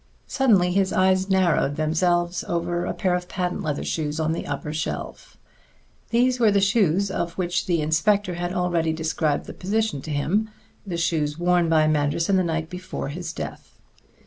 Suddenly his eyes narrowed themselves over a pair of patent leather shoes on the upper shelf. These were the shoes of which the inspector had already described the position to him; the shoes worn by Manderson the night before his death.